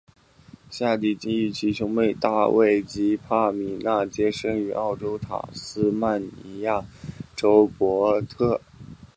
夏鼎基与其兄妹大卫及帕米娜皆生于澳洲塔斯曼尼亚州荷伯特。